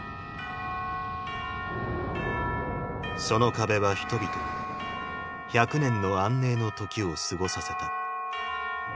その壁は人々に１００年の安寧の時を過ごさせた。